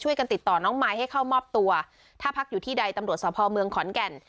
ติดต่อน้องมายให้เข้ามอบตัวถ้าพักอยู่ที่ใดตำรวจสภเมืองขอนแก่น